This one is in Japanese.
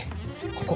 ここ。